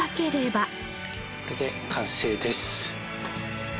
これで完成です。